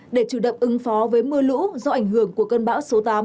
để chủ động ứng phó với mưa lũ do ảnh hưởng của cơn bão số tám